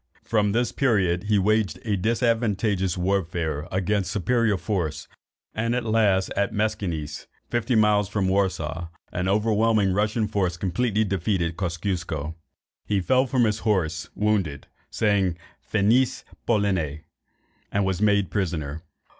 From this period he waged a disadvantageous warfare against superior force, and at last at Maczienice (or Maniejornice), fifty miles from Warsaw, an overwhelming Russian force completely defeated Kosciusko. He fell from his horse wounded, saying Finis Poloniæ, and was made prisoner.